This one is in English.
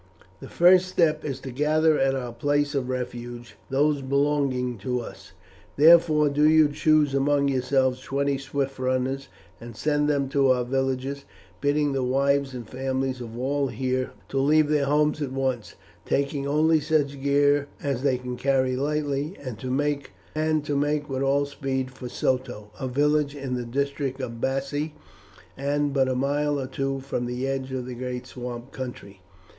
"The first step is to gather at our place of refuge those belonging to us. Therefore do you choose among yourselves twenty swift runners and send them to our villages, bidding the wives and families of all here to leave their homes at once, taking only such gear as they can carry lightly, and to make with all speed for Soto, a village in the district of the Baci, and but a mile or two from the edge of the great swamp country.